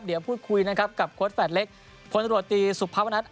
เดี๋ยวพูดคุยนะครับกับโค้ดแฝดเล็กพลตรวจตีสุภาวนัท